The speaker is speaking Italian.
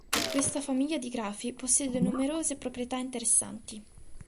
Questa famiglia di grafi possiede numerose proprietà interessanti.